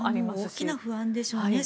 大きな不安でしょうね。